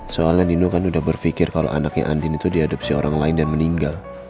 soalnya nino kan udah berpikir kalau anaknya andin itu diadopsi orang lain dan meninggal